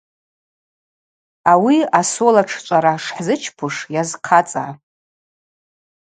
Ауи асоло шӏчӏвара шхӏзычпуш йазхъацӏа.